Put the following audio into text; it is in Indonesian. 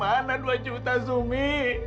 buang dari mana dua jutaan zumi